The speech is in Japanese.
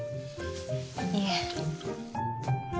いえ